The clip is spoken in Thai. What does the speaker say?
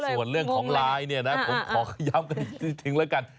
ส่วนเรื่องของไลน์ผมขอย้ำกันถึงแล้วกัน